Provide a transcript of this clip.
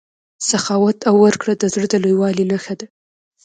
سخاوت او ورکړه د زړه د لویوالي نښه ده.